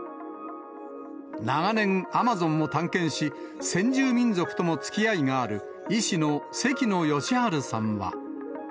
長年、アマゾンを探検し、先住民族ともつきあいがある医師の関野吉晴さんは。